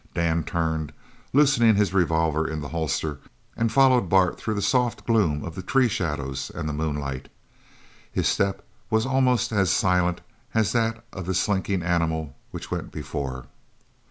Dan turned, loosening his revolver in the holster, and followed Bart through the soft gloom of the tree shadows and the moonlight. His step was almost as silent as that of the slinking animal which went before.